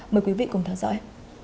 mời quý vị cùng theo dõi